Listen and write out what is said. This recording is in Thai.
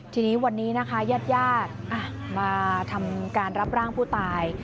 ทีนี้วันนี้ญาติมาทำการรับร่างผู้ตาย